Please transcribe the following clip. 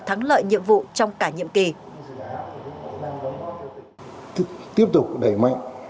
thắng lợi nhiệm vụ trong cả nhiệm kỳ